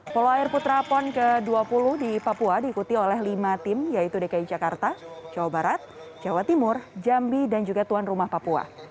polo air putra pon ke dua puluh di papua diikuti oleh lima tim yaitu dki jakarta jawa barat jawa timur jambi dan juga tuan rumah papua